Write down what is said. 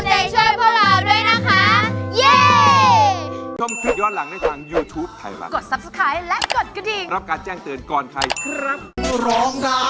ใจช่วยพวกเราด้วยนะคะ